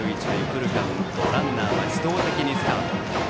フルカウント、ランナーは自動的にスタート。